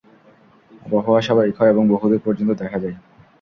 আবহাওয়া স্বাভাবিক হয় এবং বহুদূর পর্যন্ত দেখা যায়।